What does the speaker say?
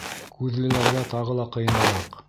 Күҙлеләргә тағы ла ҡыйыныраҡ.